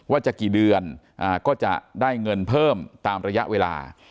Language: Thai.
ว่าจะกี่เดือนก็จะได้เงินเพิ่มตามระยะเวลา